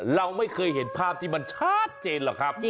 เราไม่เคยเห็นภาพที่มันชัดเจนหรอกครับ